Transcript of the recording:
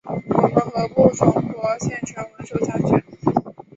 我们何不重夺县城稳守下去？